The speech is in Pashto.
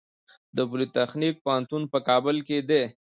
د پولي تخنیک پوهنتون په کابل کې دی